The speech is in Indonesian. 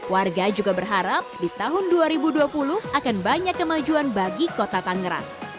warga juga berharap di tahun dua ribu dua puluh akan banyak kemajuan bagi kota tangerang